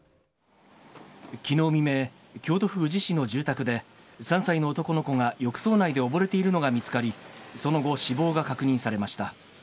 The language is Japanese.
きのう未明、京都府宇治市の住宅で、３歳の男の子が浴槽内で溺れているのが見つかり、その後、死亡が確認されました。